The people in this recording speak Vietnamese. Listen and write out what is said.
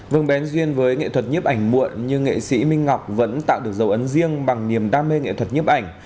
vùng bén duyên với nghệ thuật nhiếp ảnh muộn nhưng nghệ sĩ minh ngọc vẫn tạo được dấu ấn riêng bằng niềm đam mê nghệ thuật nhiếp ảnh